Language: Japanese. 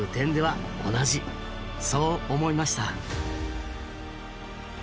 そう思いました。